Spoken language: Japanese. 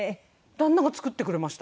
旦那が作ってくれました。